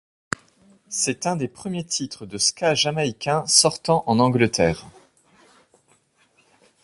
C'est un de premiers titres de ska jamaïcain sortant en Angleterre.